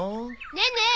ねえねえ！